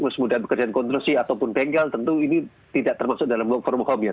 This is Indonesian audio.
semudah pekerjaan kontrolsi ataupun bengkel tentu ini tidak termasuk dalam work from home ya